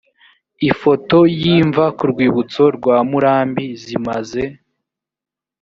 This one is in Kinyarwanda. ifoto y imva ku rwibutso rwa murambi zimaze